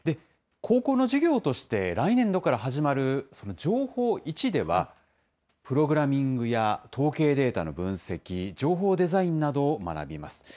高校の授業として、来年度から始まる情報Ｉでは、プログラミングや統計データの分析、情報デザインなどを学びます。